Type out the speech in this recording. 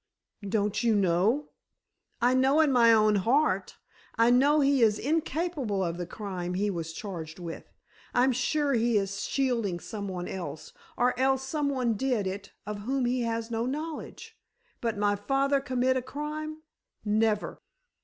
"Don't you know?" "I know in my own heart. I know he is incapable of the crime he was charged with. I'm sure he is shielding some one else, or else some one did it of whom he has no knowledge. But my father commit a crime? Never!"